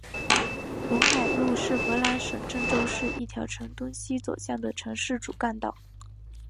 陇海路是河南省郑州市一条呈东西走向的城市主干道。